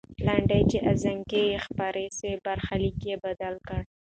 لنډۍ چې ازانګې یې خپرې سوې، برخلیک یې بدل کړ.